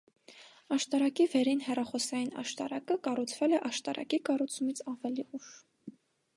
Աշտարակի վերին հեռախոսային աշտարակը կառուցվել է աշտարակի կառուցումից ավելի ուշ։